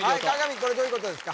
これどういうことですか？